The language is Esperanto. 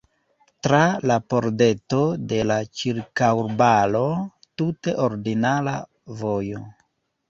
Tra la pordeto de la ĉirkaŭbaro tute ordinara vojo.